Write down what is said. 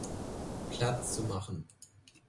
Platz zu machen.